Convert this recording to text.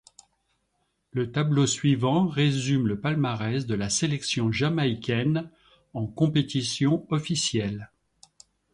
Le tableau suivant résume le palmarès de la sélection jamaïcaine en compétitions officielles.